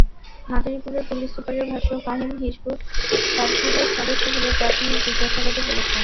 মাদারীপুরের পুলিশ সুপারের ভাষ্য, ফাহিম হিযবুত তাহ্রীরের সদস্য বলে প্রাথমিক জিজ্ঞাসাবাদে বলেছেন।